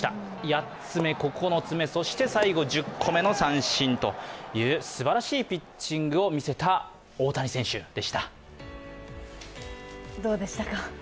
８つ目、９つ目、そして最後１０個目の三振という、すばらしいピッチングを見せた大谷選手でした。